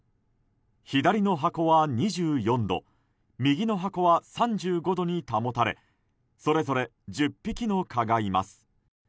左の箱は２４度右の箱は３５度に保たれそれぞれ１０匹の蚊がいます。